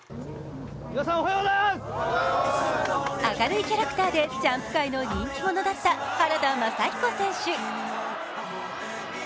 明るいキャラクターでジャンプ界の人気者だった原田雅彦選手。